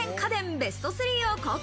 ベスト３を公開。